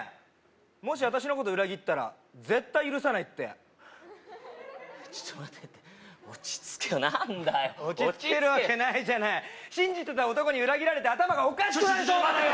もし私のこと裏切ったら絶対許さないってちょっと待てって落ち着けよ何だよ落ち着けるわけないじゃない信じてた男に裏切られて頭がおかしくなりそうなのよ！